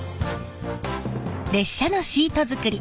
列車のシート作り